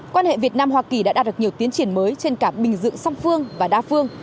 quan hệ việt nam hoa kỳ đã đạt được nhiều tiến triển mới trên cả bình dựng song phương và đa phương